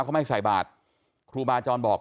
เขาไม่ใส่บาทครูบาจรบอก